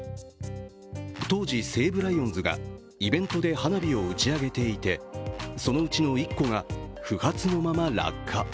当時、西武ライオンズがイベントで花火を打ち上げていてそのうちの１個が、不発のまま落下。